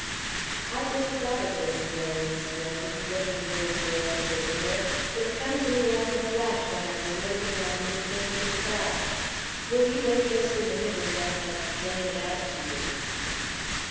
"I just thought of this," Mary explained, looking vaguely at her visitor. "It come to me like a flash when I was working on Mis' Bates's basque. Will you wait just a minute, and then I'll explain it out to you."